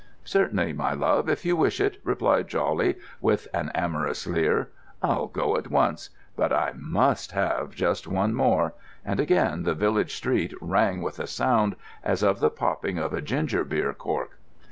"Certainly, my love, if you wish it," replied Jawley, with an amorous leer. "I'll go at once—but I must have just one more," and again the village street rang with a sound as of the popping of a ginger beer cork.